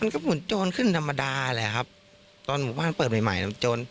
ก็เหมือนโจรขึ้นธรรมดาแหละครับตอนหมู่บ้านเปิดใหม่ใหม่โจร